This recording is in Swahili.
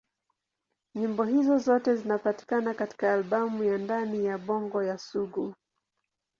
Nyimbo hizo zote zinapatikana katika albamu ya Ndani ya Bongo ya Sugu.